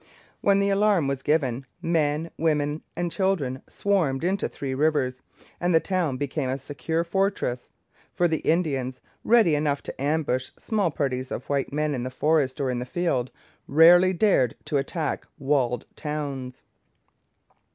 When the alarm was given, men, women, and children swarmed into Three Rivers, and the town became a secure fortress; for the Indians, ready enough to ambush small parties of white men in the forest or in the fields, rarely dared to attack walled towns.